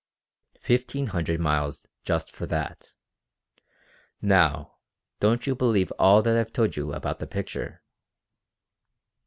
"Fifteen hundred miles for just that. Now don't you believe all that I've told you about the picture?"